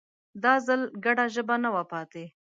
دا ځل ګډه ژبه نه وه پاتې